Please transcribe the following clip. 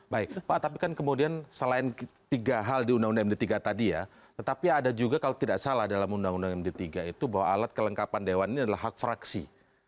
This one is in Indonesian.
baik pak tapi kan kemudian selain tiga hal di undang undang md tiga tadi ya tetapi ada juga kalau tidak salah dalam undang undang md tiga itu bahwa alat kelengkapan dewan ini adalah hak fraksi